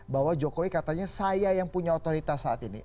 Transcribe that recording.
bahwa jokowi katanya saya yang punya otoritas saat ini